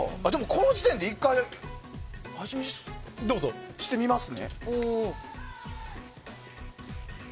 この時点で１回味見してみます。